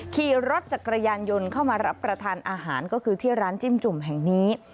ขี่รถจักรยานยนต์เข้ามารับประทานอาหารก็คือที่ร้านจิ้มจุ่มแห่งนี้